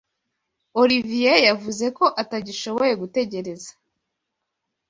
Olivier yavuze ko atagishoboye gutegereza.